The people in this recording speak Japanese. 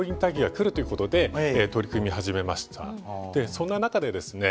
そんな中でですね